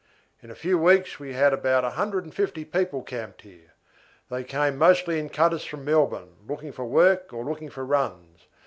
In a few weeks we had about a hundred and fifty people camped here. They came mostly in cutters from Melbourne, looking for work or looking for runs.